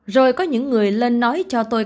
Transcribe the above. rồi có những người lên nói cho tôi